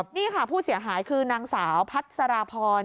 นี่ค่ะผู้เสียหายคือนางสาวพัสราพร